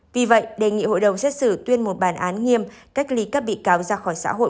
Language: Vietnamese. vì vậy đề nghị hội đồng xét xử tuyên một bản án nghiêm cách ly các bị cáo ra khỏi xã hội